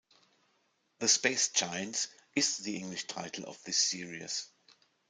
"The Space Giants" is the English title of this series.